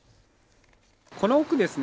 この奥ですね